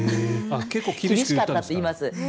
厳しかったって言います。